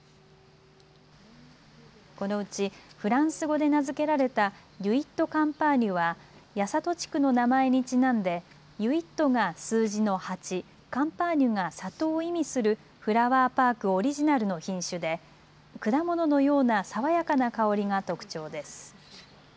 このうちフランス語で名付けられたユイット・カンパーニュには八郷地区の名前にちなんでユイットが数字の八、カンパーニュがさとを意味するフラワーパークオリジナルの品種で果物のような爽やかな香りが特徴です。